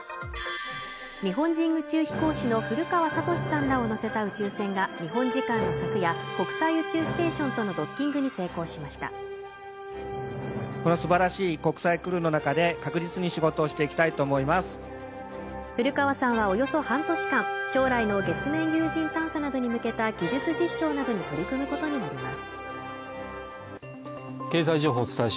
日本人宇宙飛行士の古川聡さんらを乗せた宇宙船が日本時間の昨夜国際宇宙ステーションとのドッキングに成功しました古川さんはおよそ半年間将来の月面有人探査などに向けた技術実証などに取り組むことになります